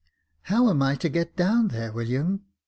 " How am I to get down there, William